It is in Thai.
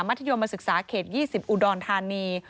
ธยมศึกษาเขต๒๐อุดรธานี